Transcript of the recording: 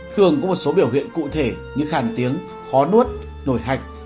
thường có một số biểu hiện cụ thể như khàn tiếng khó nuốt nổi hạch